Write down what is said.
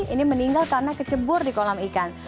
ini meninggal karena kecebur di kolam ikan